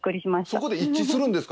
そこで一致するんですか？